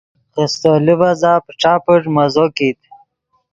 خیستو لیڤزا پݯا پݯ مزو کیت